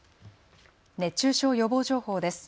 熱中症予防情報です。